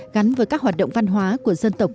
gắn với các hoạt động văn hóa của dân tộc